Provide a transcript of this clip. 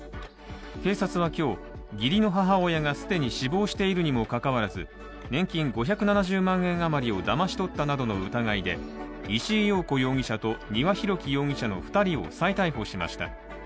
警察は今日、義理の母親が既に死亡しているにもかかわらず、年金５７０万円あまりをだまし取ったなどの疑いで石井陽子容疑者と丹羽洋樹容疑者の２人を再逮捕しました。